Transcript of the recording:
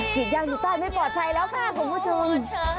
ถึงยังอยู่ต้นไม่ปลอดภัยแล้วค่ะของผู้ชม